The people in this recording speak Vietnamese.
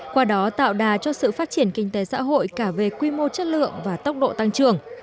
qua đó tạo đà cho sự phát triển kinh tế xã hội cả về quy mô chất lượng và tốc độ tăng trưởng